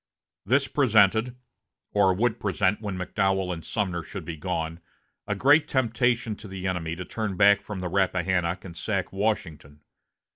This presented (or would present when McDowell and Sumner should be gone) a great temptation to the enemy to turn back from the Rappahannock and sack Washington.